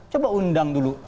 coba undang dulu